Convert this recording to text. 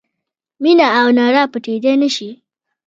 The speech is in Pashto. مینه او رڼا پټېدای نه شي.